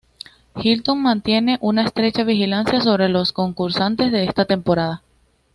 Hilton mantiene una estrecha vigilancia sobre los concursantes de esta temporada.